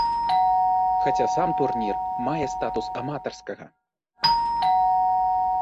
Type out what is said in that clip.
Хаця сам турнір мае статус аматарскага.